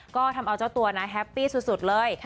ก็ทำเอาเจ้าตัวนะแฮปปี้สุดเลย